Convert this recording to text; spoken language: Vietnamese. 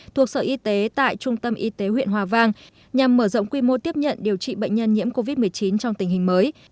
thuộc sở y tế tại trung tâm y tế huyện hòa vang nhằm mở rộng quy mô tiếp nhận điều trị bệnh nhân nhiễm covid một mươi chín trong tình hình mới